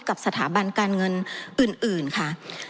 กับสถาบันการเงินอื่นค่ะ